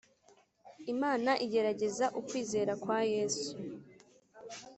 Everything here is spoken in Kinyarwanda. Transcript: imana igerageza ukwizera kwayesu